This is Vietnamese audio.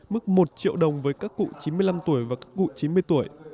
mức một triệu đồng với các cụ chín mươi năm tuổi và các cụ chín mươi tuổi